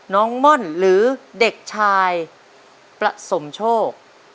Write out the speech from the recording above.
ม่อนหรือเด็กชายประสมโชค